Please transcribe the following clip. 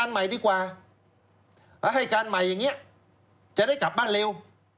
แล้วให้การใหม่อย่างนี้จะได้กลับบ้านเร็ว